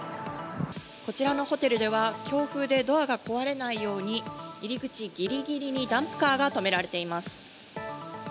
こちらのホテルでは、強風でドアが壊れないように、入り口ぎりぎりにダンプカーが止められています。